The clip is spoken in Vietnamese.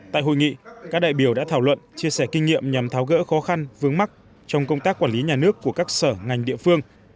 tại hội nghị các đại biểu đã thảo luận chia sẻ kinh nghiệm nhằm tháo gỡ khó khăn vướng mắt trong công tác quản lý nhà nước của các sở ngành địa phương